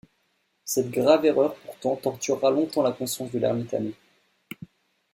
Cette grave erreur pourtant tortura longtemps la conscience de l'ermite Amé...